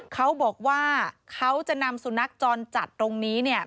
เขาบอกว่าเขาจะนำสุนัขจรจัดตรงนี้เนี่ย